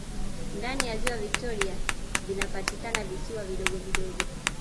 Ndani ya Ziwa Viktoria vinapatikana visiwa vidogo vidogo